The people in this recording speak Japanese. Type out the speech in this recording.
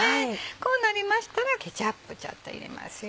こうなりましたらケチャップちょっと入れますよ。